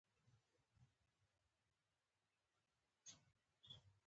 په نولس سوه اویا کال کې دا کچه پنځلس سلنې ته پورته شوه.